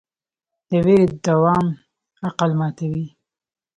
د ویرې دوام عقل ماتوي.